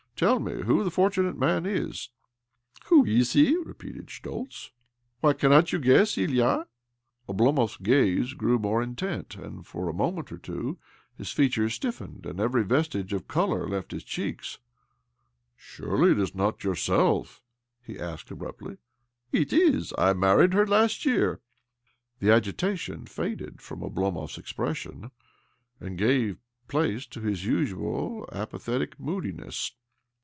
... Tell me who the fortunate man is ?"" Who he is ?" repeated Schtoltz. " Why, caimot you guess, Ilya I " Oblomov's gaze grew more intent, and for a moment or two his features stiffened, and every vestige of colour left his cheeks. "Surely it is not yourself?" he asked abruptly. " It is. I married her last year." The agitation faded from Oblomov's expression, and gave place to his usual apathetic moodiness.